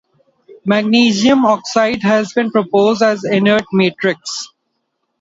Magnesium oxide has been proposed as the inert matrix.